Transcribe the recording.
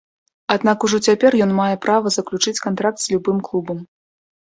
Аднак ужо цяпер ён мае права заключыць кантракт з любым клубам.